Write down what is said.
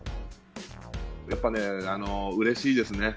やっぱね、うれしいですね。